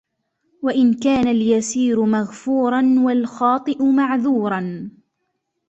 وَإِنْ كَانَ الْيَسِيرُ مَغْفُورًا وَالْخَاطِئُ مَعْذُورًا